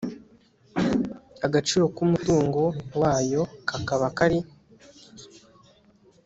agaciro k umutungo wayo kakaba kari